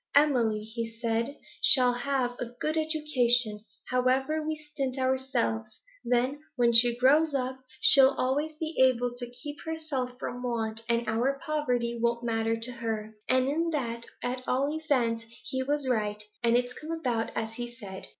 "Emily," he said, "shall have a good education, however we stint ourselves; then, when she grows up, she'll always be able to keep herself from want, and our poverty won't matter to her." And in that, at all events, he was right, and it's come about as he said.